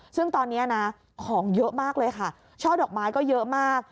ซึ่งตอนนี้นะของเยอะมากเลยค่ะช่อดอกไม้ก็เยอะมาก